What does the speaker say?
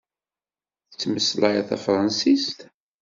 Tettmeslayeḍ tafransist?